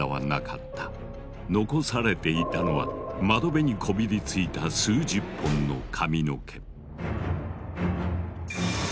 残されていたのは窓辺にこびりついた数十本の髪の毛。